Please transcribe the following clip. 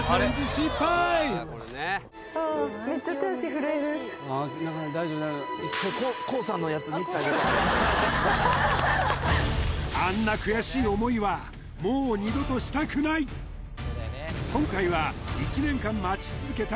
失敗あんな悔しい思いはもう二度としたくない今回は１年間待ち続けた